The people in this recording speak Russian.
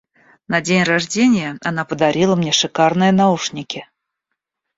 На день рождения она подарила мне шикарные наушники.